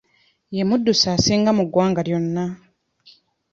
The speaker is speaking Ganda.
Ye muddusi asinga mu ggwanga lyonna.